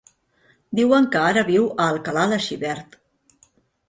Diuen que ara viu a Alcalà de Xivert.